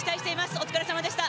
お疲れさまでした。